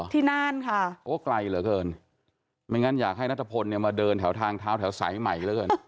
ที่นานค่ะโอ้ไกลเหรอเกินไม่งั้นอยากให้นัตเตอร์พลเนี่ยมาเดินแถวทางท้าวแถวสายใหม่